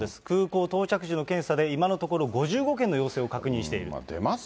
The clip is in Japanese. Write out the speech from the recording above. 空港到着時の検査で、今のところ５５件の陽性を確認している。